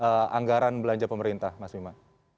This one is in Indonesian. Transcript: dari anggaran belanja pemerintah mas bima